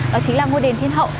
đó chính là ngôi đền thiên hậu